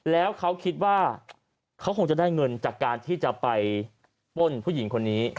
แล้วเขาคิดว่าเขาคงจะได้เงินจากการที่จะไปป้นผู้หญิงคนนี้